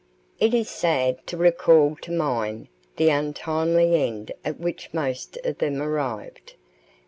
It is sad to recall to mind the untimely end at which most of them arrived.